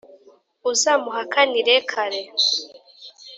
Uzamuhakanire kare